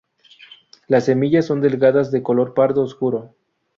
Las semillas son delgadas de color pardo oscuro.